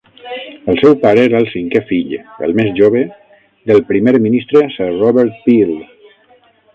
El seu pare era el cinquè fill, el més jove, del primer ministre Sir Robert Peel.